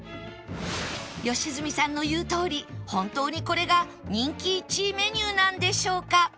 良純さんの言うとおり本当にこれが人気１位メニューなんでしょうか？